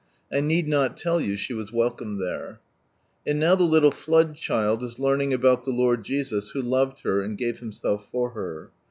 I need not tell you she was welcomed there. And now the liillc flood child is learning about the Lord Jesus who loved her and gave Himself for her.